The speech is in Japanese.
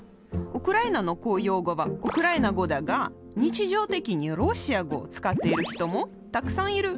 ウクライナの公用語はウクライナ語だが日常的にロシア語を使っている人もたくさんいる。